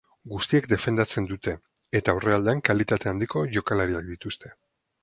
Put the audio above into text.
Guztiek defendatzen dute, eta aurrealdean kalitate handiko jokalariak dituzte.